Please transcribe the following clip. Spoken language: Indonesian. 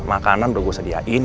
makanan udah gue sediain